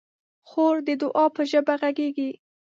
خور د دعا په ژبه غږېږي.